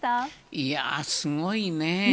いやぁ、すごいねぇ。